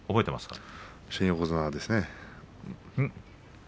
覚えてます。